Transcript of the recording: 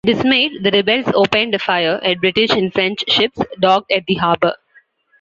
Dismayed, the rebels opened fire at British and French ships docked at the harbor.